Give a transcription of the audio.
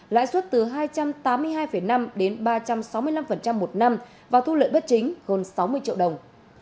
lãi suất từ hai trăm tám mươi hai năm đến ba trăm sáu mươi năm một năm và thu lợi bất chính gồm sáu mươi triệu đồng